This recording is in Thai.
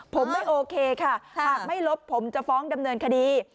ผมไม่โอเคค่ะหากไม่ลบผมจะฟ้องดำเนินคดี